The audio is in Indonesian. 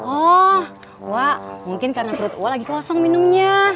oh wak mungkin karena perut uwa lagi kosong minumnya